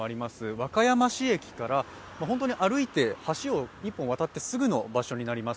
和歌山市駅から本当に歩いて橋を１本渡ってすぐの場所になります。